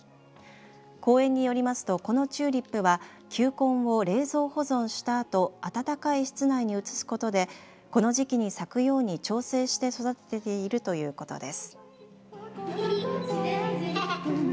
公園によりますとこのチューリップは球根を冷蔵保存したあと暖かい室内に移すことでこの時期に咲くように調整して育てているということです。